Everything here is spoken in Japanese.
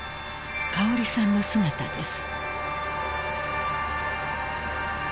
［香織さんの姿です］